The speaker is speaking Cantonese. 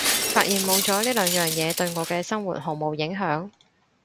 發現冇咗呢兩樣嘢對我嘅生活毫無影響